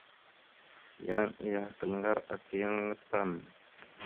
Yan ayakal ŋgar aka yan aŋa tan.